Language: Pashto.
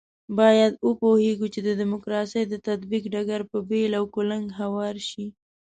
باید وپوهېږو چې د ډیموکراسۍ د تطبیق ډګر په بېل او کلنګ هوار شي.